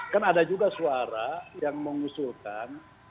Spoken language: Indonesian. kan ada juga suara yang mengusulkan